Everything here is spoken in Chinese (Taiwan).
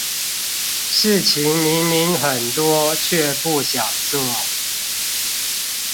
事情明明很多卻不想做